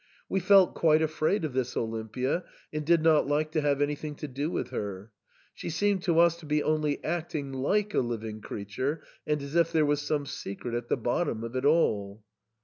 We felt quite afraid of this Olimpia, and did not like to have anything to do with her ; she seemed to us to be only acting like a liv ing creature, and as if there was some secret at the bot tom of it all."